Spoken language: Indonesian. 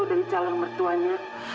dari calang mertuanya